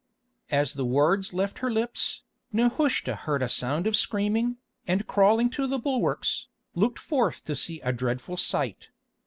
As the words left her lips, Nehushta heard a sound of screaming, and crawling to the bulwarks, looked forth to see a dreadful sight.